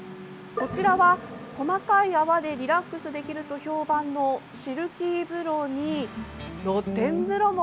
こちらは、細かい泡でリラックスできると評判のシルキー風呂に、露天風呂も。